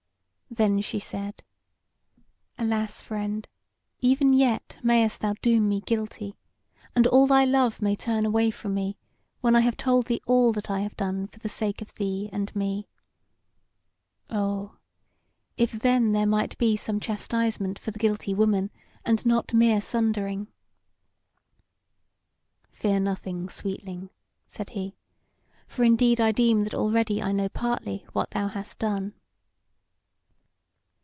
Then she said: "Alas, friend! even yet mayst thou doom me guilty, and all thy love may turn away from me, when I have told thee all that I have done for the sake of thee and me. O, if then there might be some chastisement for the guilty woman, and not mere sundering!" "Fear nothing, sweetling," said he; "for indeed I deem that already I know partly what thou hast done."